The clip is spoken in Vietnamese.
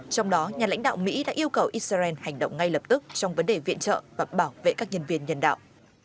trong đó nhà lãnh đạo mỹ đã yêu cầu israel hành động ngay lập tức trong vấn đề viện trợ và bảo vệ các nhân viên nhân đạo